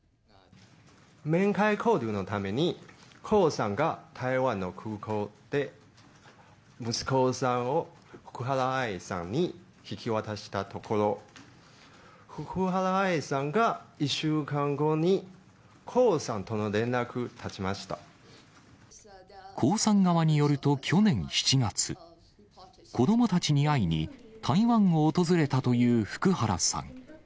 面会交流のために、江さんが台湾の空港で息子さんを、福原愛さんに引き渡したところ、福原愛さんが１週間後に、江さん側によると、去年７月、子どもたちに会いに、台湾を訪れたという福原さん。